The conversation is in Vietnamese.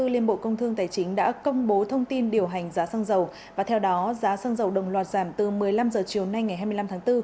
liên bộ công thương tài chính đã công bố thông tin điều hành giá xăng dầu và theo đó giá xăng dầu đồng loạt giảm từ một mươi năm h chiều nay ngày hai mươi năm tháng bốn